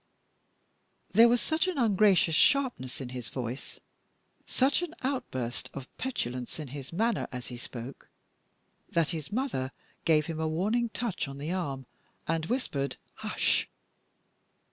There was such an ungracious sharpness in his voice, such an outburst of petulance in his manner as he spoke, that his mother gave him a warning touch on the arm, and whispered "Hush!"